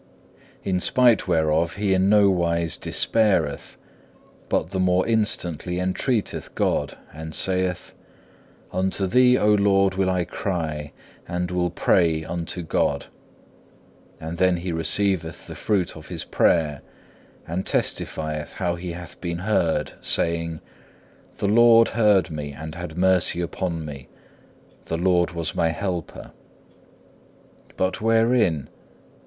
In spite whereof he in no wise despaireth, but the more instantly entreateth God, and saith, Unto Thee, O Lord, will I cry, and will pray unto my God; and then he receiveth the fruit of his prayer, and testifieth how he hath been heard, saying, The Lord heard me and had mercy upon me, the Lord was my helper. But wherein?